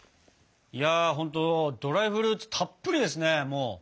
いやほんとドライフルーツたっぷりですねもう。